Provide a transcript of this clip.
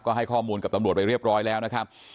ก็ให้ข้อมูลกับตำรวจไปเรียบร้อยแล้วนะครับ